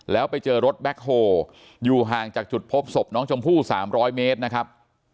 แล้วไปเจอรถแบ็คโฮลอยู่ห่างจากจุดพบศพน้องชมพู่๓๐๐เมตรนะครับ